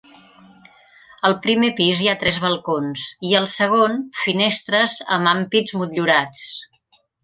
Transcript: Al primer pis hi ha tres balcons i al segon, finestres amb ampits motllurats.